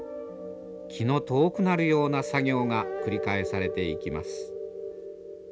気の遠くなるような作業が繰り返されていきます。